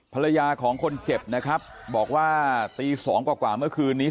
ภรรยาของคนเจ็บนะครับบอกว่าตีสองกว่าเมื่อคืนนี้